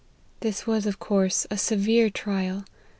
This was, of course, a severe trial.